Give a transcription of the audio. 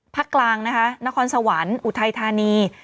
กลางนะคะนครสวรรค์อุทัยธานี